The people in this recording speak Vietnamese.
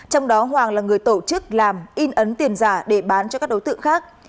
trong đó hoàng là người tổ chức làm in ấn tiền giả để bán cho các đối tượng khác